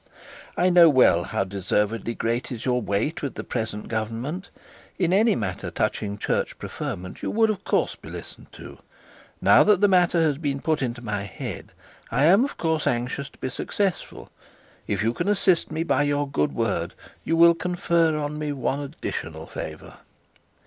'I know well how deservedly great is your weight with the present government. In any matter touching church preferment you would of course be listened to. Now that the matter has been put into my head, I am of course anxious to be successful. If you can assist me by your good word, you will confer on me one additional favour.